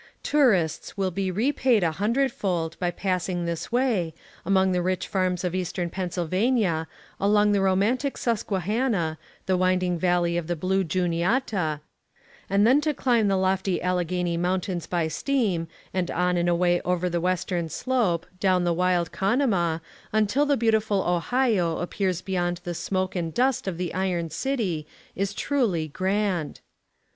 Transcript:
Tourists will be repaid a hundred fold by passing this way, among the rich farms of Eastern Pennsylvania, alon^ the romantic Susquehanna, the winding valley of the " Blue Juniata ;" and then to climb the lofty Alle ghany Mountains by steam, and on and away over the western slope, down the wild Conemaugh, until the beau tiful Ohio appears beyond the smoke and dust of the Iron City, is truly grand